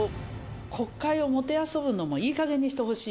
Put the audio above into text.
国会をもてあそぶのもいいかげんにしてほしい。